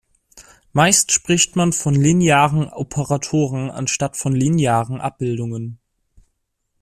Meistens spricht man von linearen Operatoren anstatt von linearen Abbildungen.